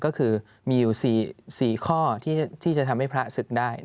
ก็คือมีอยู่๔ข้อที่จะทำให้พระศึกได้